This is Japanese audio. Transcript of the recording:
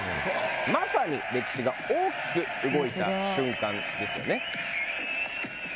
まさに歴史が大きく動いた瞬間ですね。